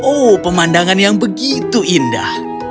oh pemandangan yang begitu indah